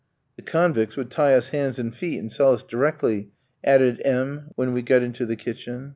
"The convicts would tie us hands and feet and sell us directly," added M tski, when we got into the kitchen.